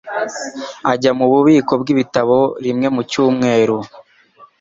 Ajya mububiko bwibitabo rimwe mu cyumweru.